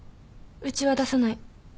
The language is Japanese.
うちは出さない。